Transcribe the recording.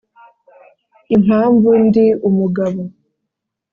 impamvu ndi umugabo